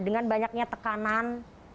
dengan banyaknya tekanan